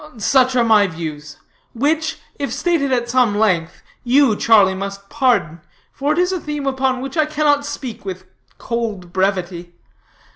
Such are my views, which, if stated at some length, you, Charlie, must pardon, for it is a theme upon which I cannot speak with cold brevity.